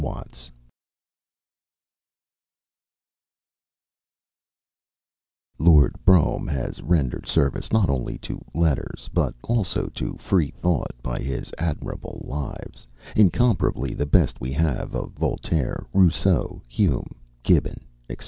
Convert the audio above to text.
DAVID HUME Lord Brougham has rendered service not only to "Letters," but also to Freethought, by his admirable "Lives," incomparably the best we have, of Voltaire, Rousseau, Hume, Gibbon, etc.